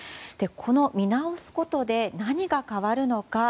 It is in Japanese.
この見直すことで何が変わるのか。